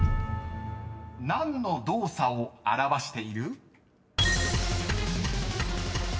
［何の動作を表している？］